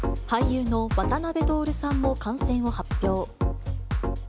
俳優の渡辺徹さんも感染を発表。